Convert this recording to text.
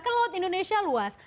kan laut indonesia luas